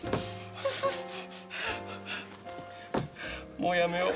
もうやめよう。